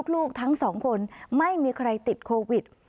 ลูกทั้งสองคนไม่มีใครติดโควิด